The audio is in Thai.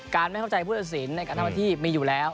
การไม่เข้าใจภูตศิลป์ในการทำอะไรที่มีอยู่แล้ว